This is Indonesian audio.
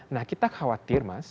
nah kita khawatir mas